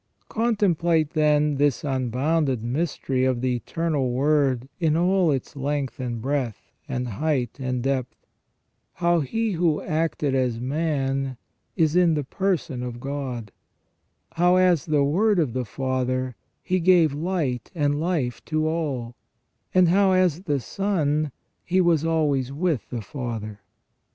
Contemplate, then, this unbounded mystery of the Eternal Word in all its length and breadth, and height and depth; how He who acted as man is in the person of God ; how, as the Word of the Father, He gave light and life to all ; and how, as the Son, He was always with the Father.